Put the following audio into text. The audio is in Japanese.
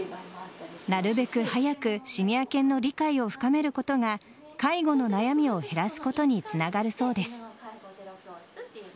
なるべく早くシニア犬の理解を深めることが介護の悩みを減らすことにつながるそうです。